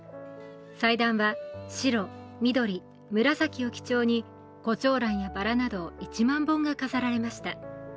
祭壇は白、緑、紫を基調に胡蝶蘭やばらなど１万本が飾られました。